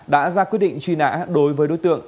đã ra quyết định truy nã đối với đối tượng